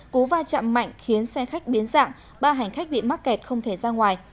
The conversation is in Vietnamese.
cú vai trạm mạnh khiến xe khách biến dạng ba hành khách bị mắc kẹt không thể ra ngoài